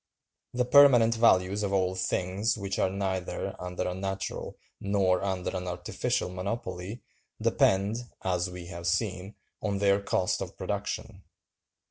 The permanent values of all things which are neither under a natural nor under an artificial monopoly depend, as we have seen, on their cost of production.